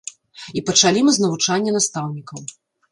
І пачалі мы з навучання настаўнікаў.